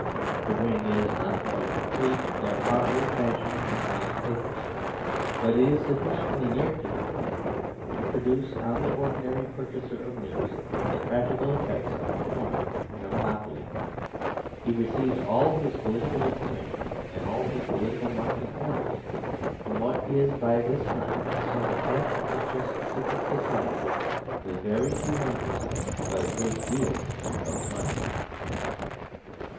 The ring is not quite complete; there are old fashioned and honest papers: but it is sufficiently near to completion to produce on the ordinary purchaser of news the practical effects of a corner and a monopoly. He receives all his political information and all his political marching orders from what is by this time a sort of half conscious secret society, with very few members, but a great deal of money.